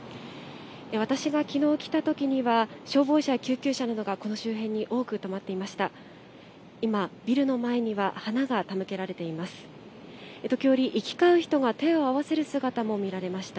私がきのう来たときには、消防車や救急車などがこの周辺に多く止まっていました。